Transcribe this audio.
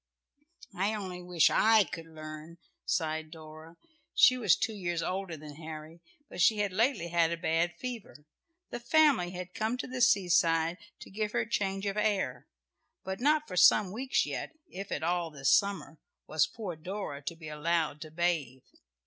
"I only wish I could learn!" sighed Dora. She was two years older than Harry, but she had lately had a bad fever. The family had come to the seaside to give her change of air, but not for some weeks yet, if at all this summer, was poor Dora to be allowed to bathe.